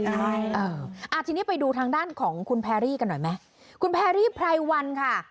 ใช่เอออ่าทีนี้ไปดูทางด้านของคุณแพรรี่กันหน่อยไหมคุณแพรรี่ไพรวันค่ะ